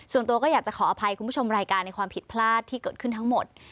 ส่วนตัวก็อยากจะขออภัยคุณผู้ชมรายการในความผิดพลาดที่เกิดขึ้นทั้งหมด